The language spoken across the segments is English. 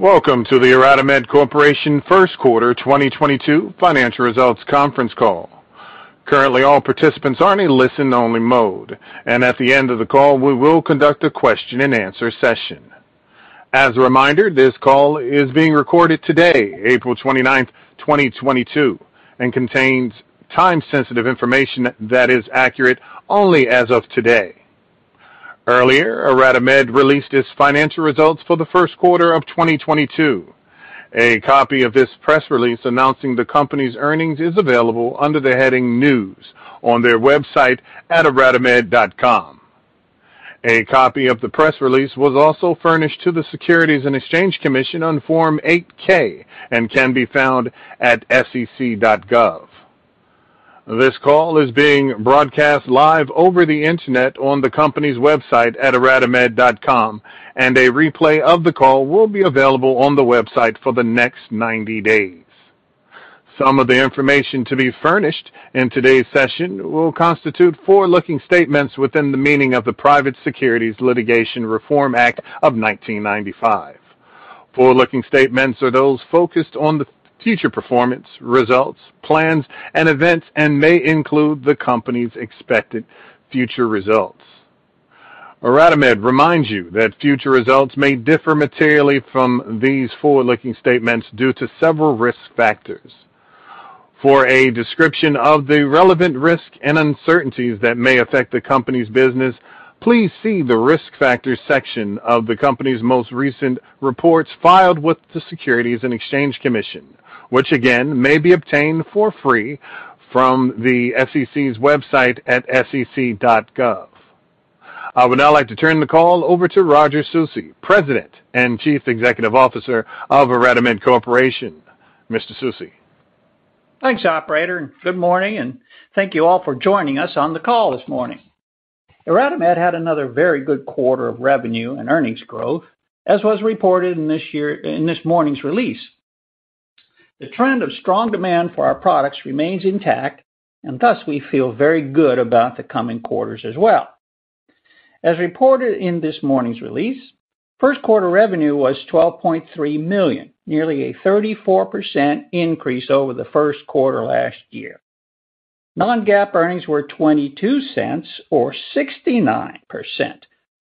Welcome to the IRadimed Corporation Q1 2022 financial results conference call. Currently, all participants are in a listen only mode, and at the end of the call, we will conduct a question and answer session. As a reminder, this call is being recorded today, 29 April, 2022, and contains time-sensitive information that is accurate only as of today. Earlier, IRadimed released its financial results for the Q1 of 2022. A copy of this press release announcing the company's earnings is available under the heading News on their website at iradimed.com. A copy of the press release was also furnished to the Securities and Exchange Commission on Form 8-K and can be found at sec.gov. This call is being broadcast live over the Internet on the company's website at iradimed.com, and a replay of the call will be available on the website for the next 90 days. Some of the information to be furnished in today's session will constitute forward-looking statements within the meaning of the Private Securities Litigation Reform Act of 1995. Forward-looking statements are those focused on the future performance, results, plans, and events and may include the company's expected future results. IRadimed reminds you that future results may differ materially from these forward-looking statements due to several risk factors. For a description of the relevant risks and uncertainties that may affect the company's business, please see the Risk Factors section of the company's most recent reports filed with the Securities and Exchange Commission, which again may be obtained for free from the SEC's website at sec.gov. I would now like to turn the call over to Roger Susi, President and Chief Executive Officer of IRadimed Corporation. Mr. Susi. Thanks, operator, and good morning, and thank you all for joining us on the call this morning. IRadimed had another very good quarter of revenue and earnings growth, as was reported in this morning's release. The trend of strong demand for our products remains intact, and thus we feel very good about the coming quarters as well. As reported in this morning's release, Q1 revenue was $12.3 million, nearly a 34% increase over the Q1 last year. Non-GAAP earnings were $0.22 or 69%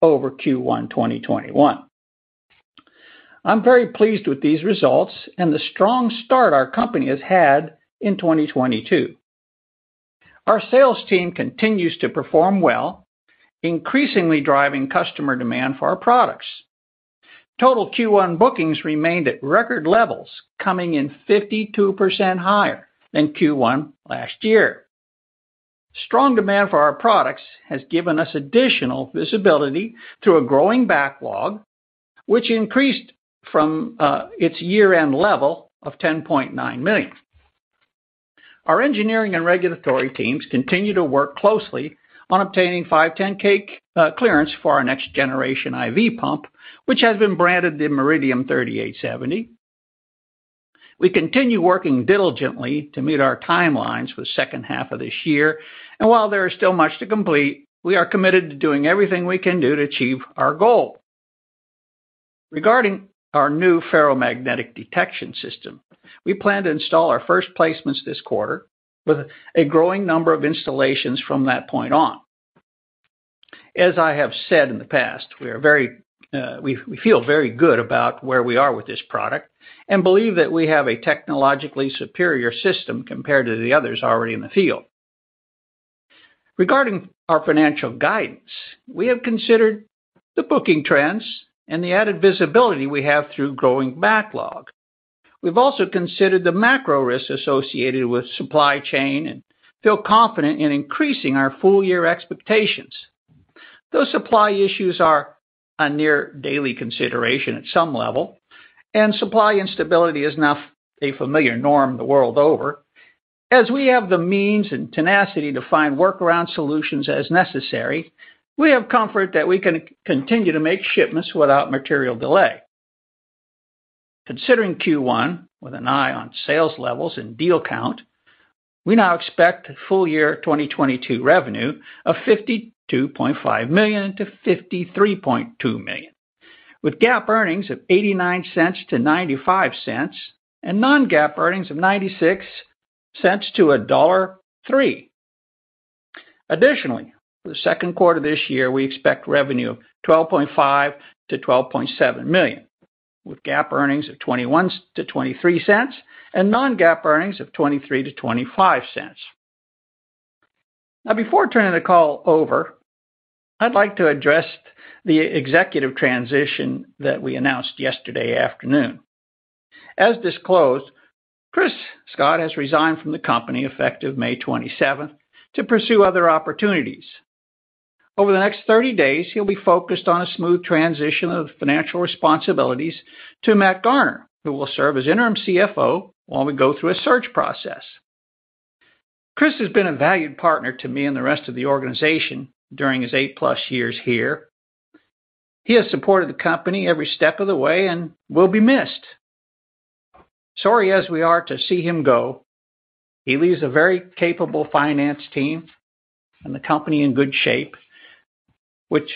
over Q1 2021. I'm very pleased with these results and the strong start our company has had in 2022. Our sales team continues to perform well, increasingly driving customer demand for our products. Total Q1 bookings remained at record levels, coming in 52% higher than Q1 last year. Strong demand for our products has given us additional visibility to a growing backlog, which increased from its year-end level of $10.9 million. Our engineering and regulatory teams continue to work closely on obtaining 510(k) clearance for our next generation IV pump, which has been branded the MRidium 3870. We continue working diligently to meet our timelines for the second half of this year, and while there is still much to complete, we are committed to doing everything we can do to achieve our goal. Regarding our new ferromagnetic detection system, we plan to install our first placements this quarter with a growing number of installations from that point on. As I have said in the past, we are very, we feel very good about where we are with this product and believe that we have a technologically superior system compared to the others already in the field. Regarding our financial guidance, we have considered the booking trends and the added visibility we have through growing backlog. We've also considered the macro risks associated with supply chain and feel confident in increasing our full year expectations. Those supply issues are a near daily consideration at some level, and supply instability is now a familiar norm the world over. As we have the means and tenacity to find workaround solutions as necessary, we have comfort that we can continue to make shipments without material delay. Considering Q1 with an eye on sales levels and deal count, we now expect full year 2022 revenue of $52.5 million to $53.2 million, with GAAP earnings of $0.89 to $0.95 and non-GAAP earnings of $0.96 to $1.03. Additionally, for the Q2 of this year, we expect revenue of $12.5 to $12.7 million, with GAAP earnings of $0.21 to $0.23 and non-GAAP earnings of $0.23 to $0.25. Now, before turning the call over, I'd like to address the executive transition that we announced yesterday afternoon. As disclosed, Chris Scott has resigned from the company effective 27 May to pursue other opportunities. Over the next 30 days, he'll be focused on a smooth transition of financial responsibilities to Matt Garner, who will serve as interim CFO while we go through a search process. Chris has been a valued partner to me and the rest of the organization during his 8+ years here. He has supported the company every step of the way and will be missed. Sorry as we are to see him go, he leaves a very capable finance team and the company in good shape, which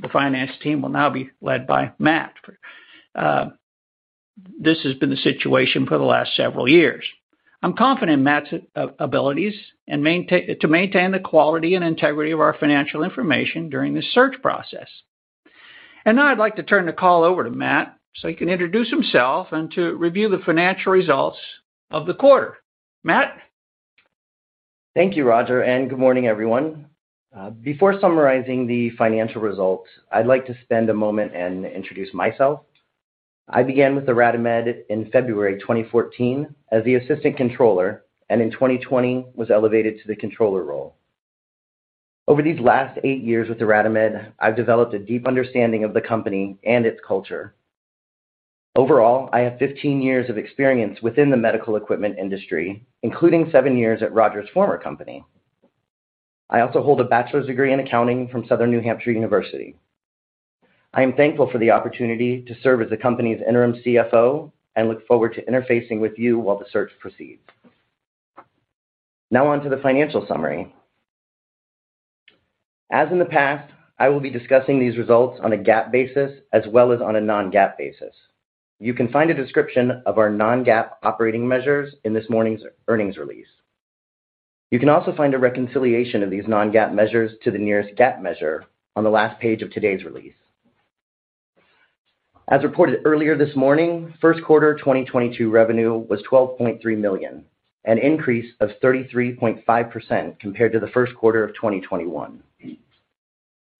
the finance team will now be led by Matt. This has been the situation for the last several years. I'm confident in Matt's abilities to maintain the quality and integrity of our financial information during this search process. Now I'd like to turn the call over to Matt so he can introduce himself and to review the financial results of the quarter. Matt? Thank you, Roger, and good morning, everyone. Before summarizing the financial results, I'd like to spend a moment and introduce myself. I began with IRadimed in February 2014 as the assistant controller, and in 2020 was elevated to the controller role. Over these last eight years with IRadimed, I've developed a deep understanding of the company and its culture. Overall, I have 15 years of experience within the medical equipment industry, including seven years at Roger's former company. I also hold a bachelor's degree in accounting from Southern New Hampshire University. I am thankful for the opportunity to serve as the company's interim CFO and look forward to interfacing with you while the search proceeds. Now on to the financial summary. As in the past, I will be discussing these results on a GAAP basis as well as on a non-GAAP basis. You can find a description of our non-GAAP operating measures in this morning's earnings release. You can also find a reconciliation of these non-GAAP measures to the nearest GAAP measure on the last page of today's release. As reported earlier this morning, Q1 2022 revenue was $12.3 million, an increase of 33.5% compared to the Q1 of 2021.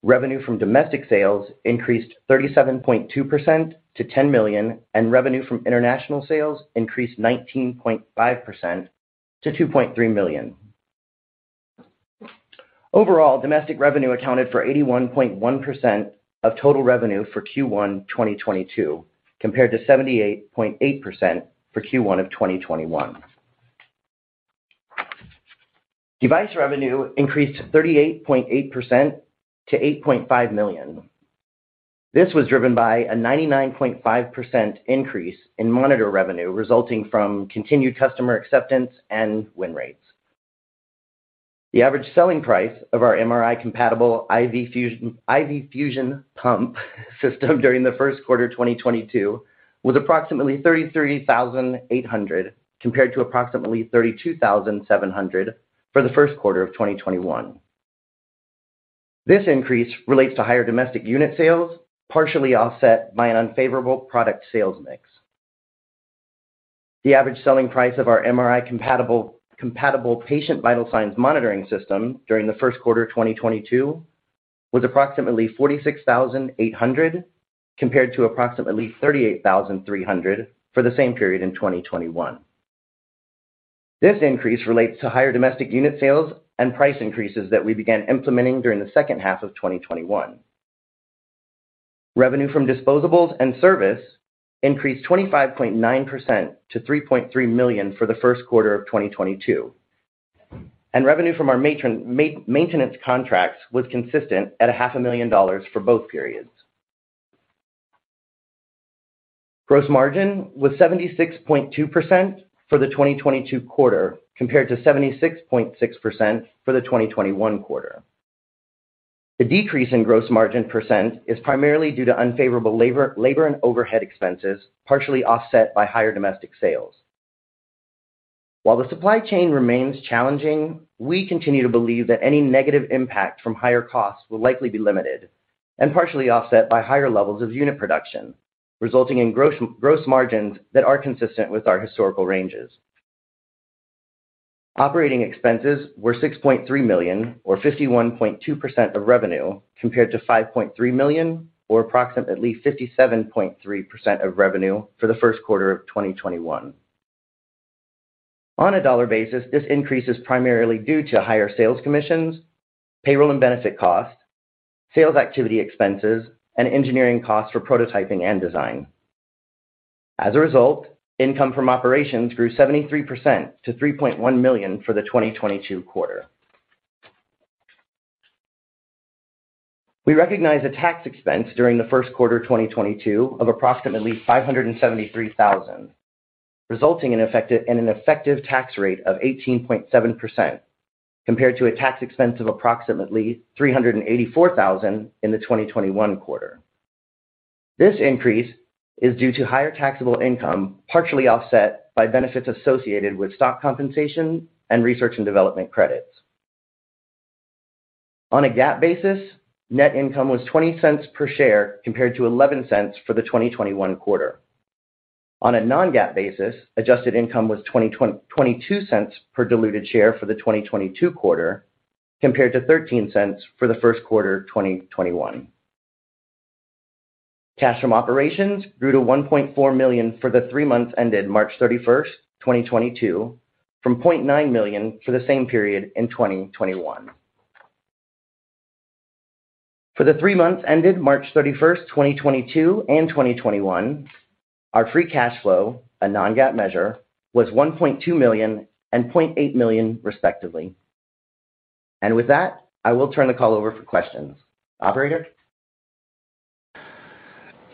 Revenue from domestic sales increased 37.2% to $10 million, and revenue from international sales increased 19.5% to $2.3 million. Overall, domestic revenue accounted for 81.1% of total revenue for Q1 2022, compared to 78.8% for Q1 of 2021. Device revenue increased 38.8% to $8.5 million. This was driven by a 99.5% increase in monitor revenue resulting from continued customer acceptance and win rates. The average selling price of our MRI compatible IV infusion pump system during the Q1 2022 was approximately $33,800, compared to approximately $32,700 for the Q1 of 2021. This increase relates to higher domestic unit sales, partially offset by an unfavorable product sales mix. The average selling price of our MRI compatible patient vital signs monitoring system during the Q1 2022 was approximately $46,800, compared to approximately $38,300 for the same period in 2021. This increase relates to higher domestic unit sales and price increases that we began implementing during the second half of 2021. Revenue from disposables and service increased 25.9% to $3.3 million for the Q1 of 2022, and revenue from our maintenance contracts was consistent at $ half a million for both periods. Gross margin was 76.2% for the 2022 quarter, compared to 76.6% for the 2021 quarter. The decrease in gross margin percent is primarily due to unfavorable labor and overhead expenses, partially offset by higher domestic sales. While the supply chain remains challenging, we continue to believe that any negative impact from higher costs will likely be limited and partially offset by higher levels of unit production, resulting in gross margins that are consistent with our historical ranges. Operating expenses were $6.3 million or 51.2% of revenue, compared to $5.3 million or approximately 57.3% of revenue for the Q1 of 2021. On a dollar basis, this increase is primarily due to higher sales commissions, payroll and benefit costs, sales activity expenses, and engineering costs for prototyping and design. As a result, income from operations grew 73% to $3.1 million for the 2022 quarter. We recognized a tax expense during the Q1 2022 of approximately $573000, resulting in an effective tax rate of 18.7% compared to a tax expense of approximately $384000 in the 2021 quarter. This increase is due to higher taxable income, partially offset by benefits associated with stock compensation and research and development credits. On a GAAP basis, net income was $0.20 per share, compared to $0.11 for the 2021 quarter. On a non-GAAP basis, adjusted income was $0.22 per diluted share for the 2022 quarter, compared to $0.13 for the Q1 2021. Cash from operations grew to $1.4 million for the three months ended 31 March, 2022, from $0.9 million for the same period in 2021. For the three months ended 31 March, 2022 and 2021, our free cash flow, a non-GAAP measure, was $1.2 million and $0.8 million respectively. With that, I will turn the call over for questions. Operator?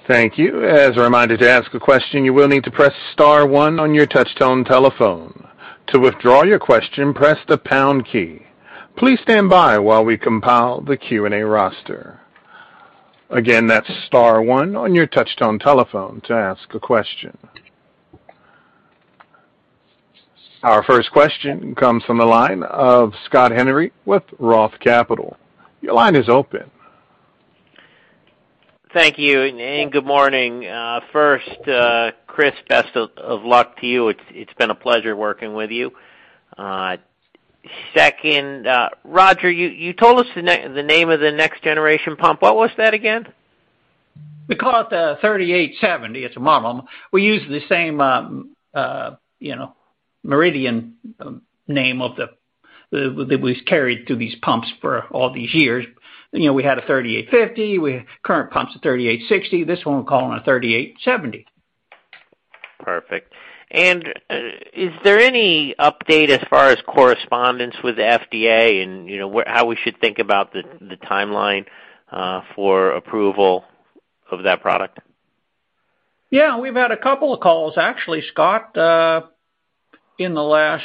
Thank you. As a reminder, to ask a question, you will need to press star one on your touchtone telephone. To withdraw your question, press the pound key. Please stand by while we compile the Q&A roster. Again, that's star one on your touchtone telephone to ask a question. Our first question comes from the line of Scott Henry with Roth Capital. Your line is open. Thank you, and good morning. First, Chris, best of luck to you. It's been a pleasure working with you. Second, Roger, you told us the name of the next generation pump. What was that again? We call it the 3870. It's a model. We use the same, you know, MRidium name that was carried to these pumps for all these years. You know, we had a 3850. We have current pumps at 3860. This one we're calling a 3870. Perfect. Is there any update as far as correspondence with FDA and, you know, how we should think about the timeline for approval of that product? Yeah. We've had a couple of calls, actually, Scott, in the last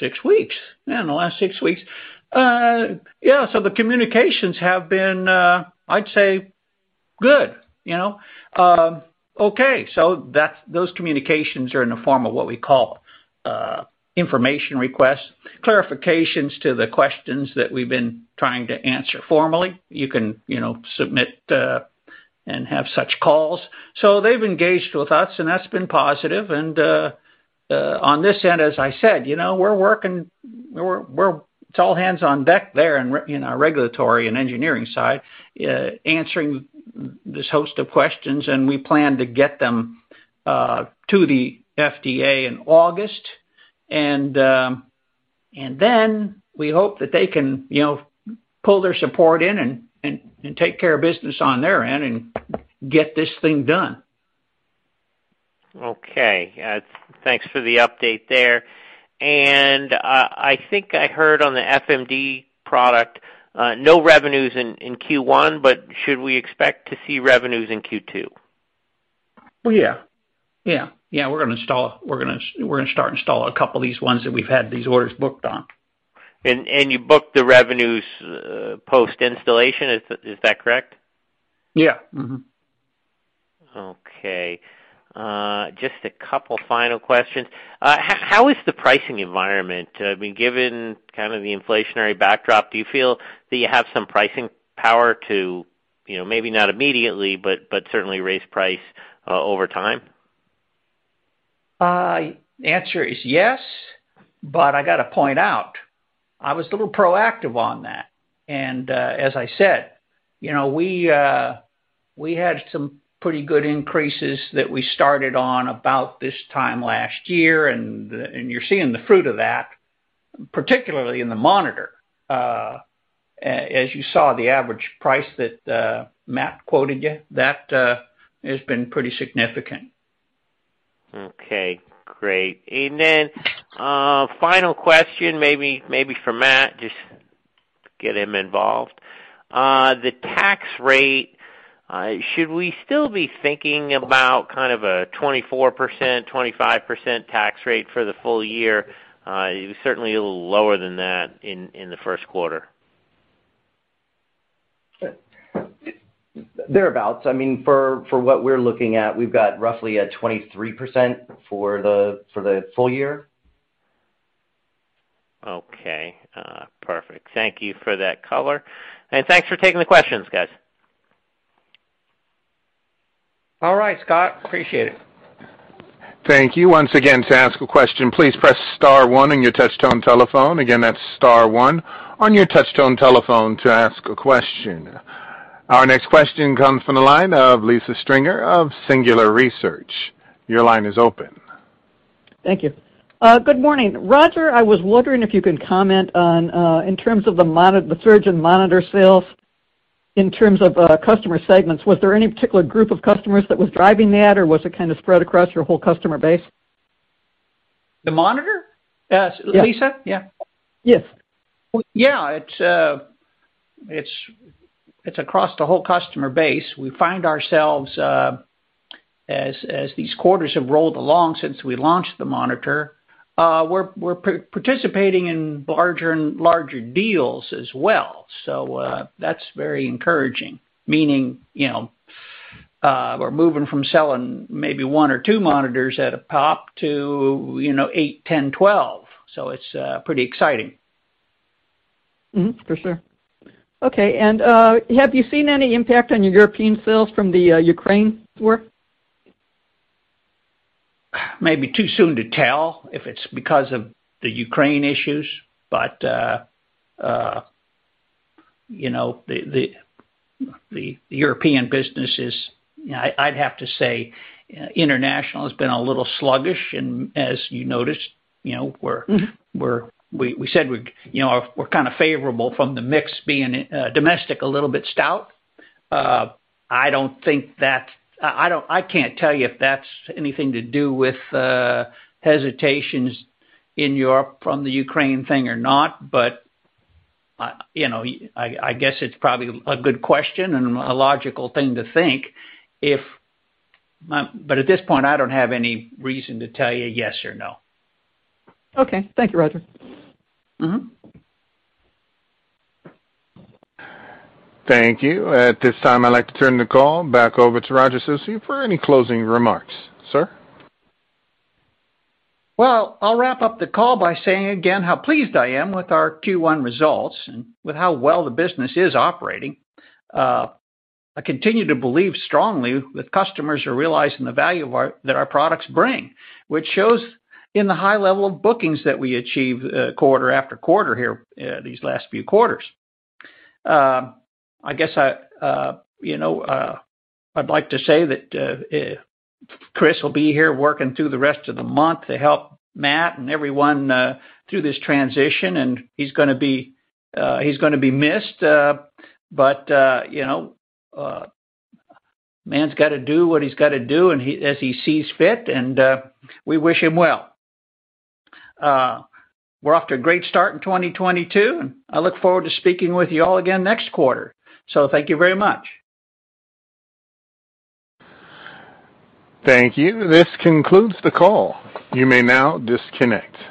six weeks. Yeah, in the last six weeks. Yeah, the communications have been, I'd say good, you know. Those communications are in the form of what we call information requests, clarifications to the questions that we've been trying to answer formally. You can, you know, submit and have such calls. They've engaged with us, and that's been positive. On this end, as I said, you know, we're working. It's all hands on deck there in our regulatory and engineering side, answering this host of questions, and we plan to get them to the FDA in August. Then we hope that they can, you know, pull their support in and take care of business on their end and get this thing done. Okay. Thanks for the update there. I think I heard on the FMD product no revenues in Q1, but should we expect to see revenues in Q2? Well, yeah. Yeah, we're gonna start install a couple of these ones that we've had these orders booked on. You book the revenues post-installation, is that correct? Yeah. Mm-hmm. Okay. Just a couple final questions. How is the pricing environment? I mean, given kind of the inflationary backdrop, do you feel that you have some pricing power to, you know, maybe not immediately, but certainly raise price over time? Answer is yes, but I gotta point out, I was a little proactive on that. As I said, you know, we had some pretty good increases that we started on about this time last year, and you're seeing the fruit of that, particularly in the monitor. As you saw the average price that Matt quoted you, that has been pretty significant. Okay. Great. Final question maybe for Matt, just get him involved. The tax rate, should we still be thinking about kind of a 24%, 25% tax rate for the full year? It was certainly a little lower than that in the Q1. Thereabouts. I mean, for what we're looking at, we've got roughly a 23% for the full year. Okay. Perfect. Thank you for that color. Thanks for taking the questions, guys. All right, Scott. Appreciate it. Thank you. Once again, to ask a question, please press star one on your touchtone telephone. Again, that's star one on your touchtone telephone to ask a question. Our next question comes from the line of Lisa Springer of Singular Research. Your line is open. Thank you. Good morning. Roger, I was wondering if you can comment on, in terms of the surge in monitor sales in terms of, customer segments. Was there any particular group of customers that was driving that, or was it kinda spread across your whole customer base? The monitor? Yeah. Lisa? Yeah. Yes. Yeah. It's across the whole customer base. We find ourselves as these quarters have rolled along since we launched the monitor, we're participating in larger and larger deals as well. That's very encouraging, meaning you know we're moving from selling maybe one or two monitors at a pop to you know eight, 10, 12. It's pretty exciting. Mm-hmm. For sure. Okay. Have you seen any impact on your European sales from the Ukraine war? Maybe too soon to tell if it's because of the Ukraine issues, but you know, the European business is. You know, I'd have to say international has been a little sluggish. As you noticed, you know, we're Mm-hmm. We said we're, you know, kind of favorable from the mix being domestic, a little bit stout. I don't think that's. I can't tell you if that's anything to do with hesitations in Europe from the Ukraine thing or not, but, you know, I guess it's probably a good question and a logical thing to think if. But at this point, I don't have any reason to tell you yes or no. Okay. Thank you, Roger. Mm-hmm. Thank you. At this time, I'd like to turn the call back over to Roger Susi for any closing remarks. Sir? Well, I'll wrap up the call by saying again how pleased I am with our Q1 results and with how well the business is operating. I continue to believe strongly that customers are realizing the value of that our products bring, which shows in the high level of bookings that we achieve, quarter after quarter here, these last few quarters. I guess I, you know, I'd like to say that Chris will be here working through the rest of the month to help Matt and everyone through this transition, and he's gonna be missed. You know, man's gotta do what he's gotta do and as he sees fit, and we wish him well. We're off to a great start in 2022, and I look forward to speaking with you all again next quarter. Thank you very much. Thank you. This concludes the call. You may now disconnect.